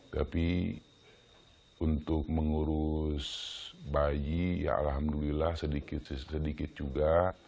tapi untuk mengurus bayi ya alhamdulillah sedikit sedikit juga